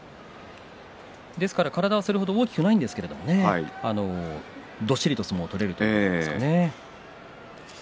体はそれ程大きくないんですけれどもどっしりとした相撲が取れるということですかね。